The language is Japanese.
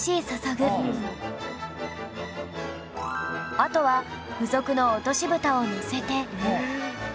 あとは付属の落としブタをのせて